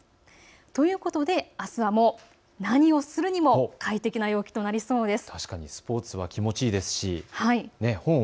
ということであすは何をするにも快適な陽気となりそうですね。